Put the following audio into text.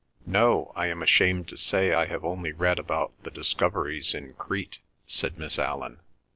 "No, I am ashamed to say I have only read about the discoveries in Crete," said Miss Allan.